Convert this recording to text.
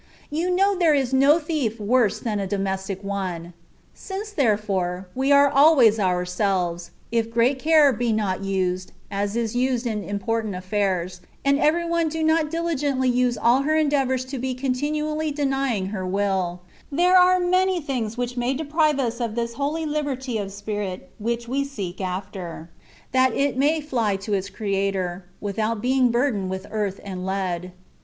You know there is no thief worse than a domestic one. Since, therefore, we are always ourselves,''*' if great care be not used (as is used in important affairs), and every one do not diligently use all her en deavours to be continually denying her will, there are many things which may deprive us of this holy Hberty of the spirit which we seek after, that it may fly to its Creator, without being bur dened with earth and lead.